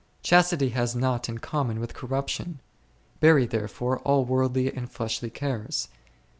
Chastity has nought in common with corruption ; bury, there fore, all worldly and fleshly cares.